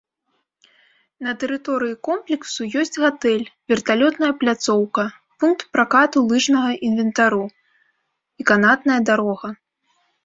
На тэрыторыі комплексу ёсць гатэль, верталётная пляцоўка, пункт пракату лыжнага інвентару і канатная дарога.